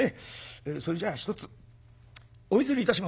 それじゃあひとつお譲りいたします」。